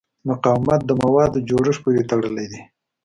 مقاومت د موادو جوړښت پورې تړلی دی.